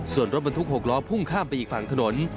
ส่วนรถบรรทุก๖ล้อพุ่งข้ามไปอีกฝั่งถนน